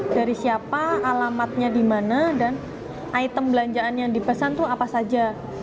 dari siapa alamatnya di mana dan item belanjaan yang dipesan itu apa saja